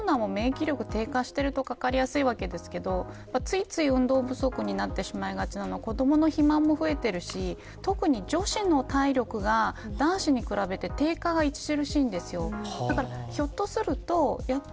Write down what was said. コロナも免疫力、低下しているとかかりやすいわけですがついつい運動不足になってしまいがちで子どもの肥満も増えているし女子の体力が男子に比べて低下が著しいんですよ。